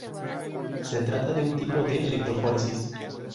Se trata de un tipo de electroforesis.